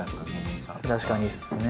確かにですね。